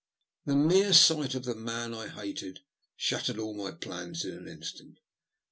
The mere sight of the man I hated shattered all my plans in an instant.